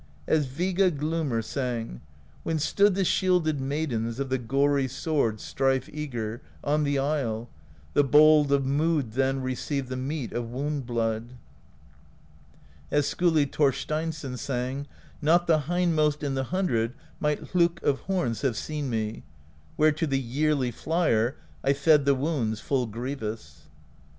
As Viga Glumr sang: When stood the shielded Maidens Of the gory sword, strife eager, On the isle; the Bold of Mood then Received the meat of wound blood. As Skuli Thorsteinsson sang: Not the hindmost in the hundred Might Hlokk of horns have seen me, Where to the Yearly Flier I fed the wounds full grievous.